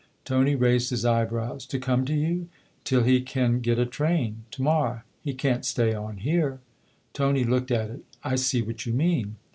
Tony raised his eyebrows. " To come to you ?"" Till he can get a train to morrow. He can't stay on here." Tony looked at it. " I see what you mean."